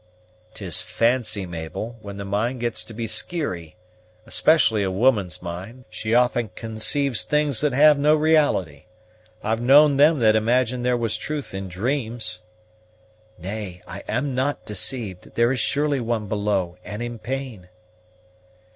"'Tis fancy, Mabel; when the mind gets to be skeary, especially a woman's mind, she often concaits things that have no reality. I've known them that imagined there was truth in dreams." "Nay, I am not deceived; there is surely one below, and in pain."